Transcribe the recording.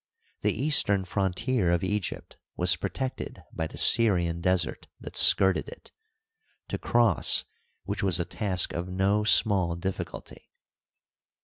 The eastern frontier of Egypt was protected by the Syrian Desert that skirted it, to cross which was a task of no small difficulty.